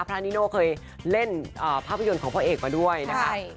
นิโน่เคยเล่นภาพยนตร์ของพระเอกมาด้วยนะคะ